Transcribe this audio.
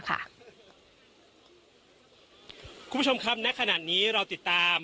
คุณผู้ชมครับณขณะนี้เราติดตาม